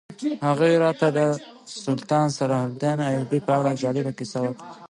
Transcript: هغوی راته د سلطان صلاح الدین ایوبي په اړه جالبه کیسه وکړه.